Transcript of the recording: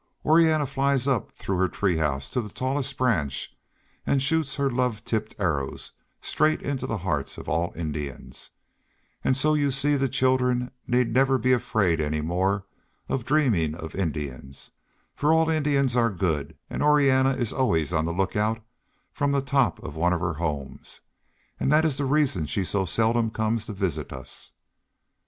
"Orianna flies up through her tree house to the tallest branch and shoots her love tipped arrow straight into the heart of all Indians, and so you see the children need never be afraid any more of dreaming of Indians, for all Indians are good and Orianna is always on the lookout from the top of one of her homes, and that is the reason she so seldom comes to visit us."